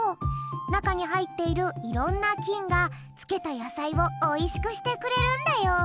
なかにはいっているいろんなきんがつけたやさいをおいしくしてくれるんだよ。